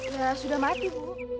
ya sudah mati bu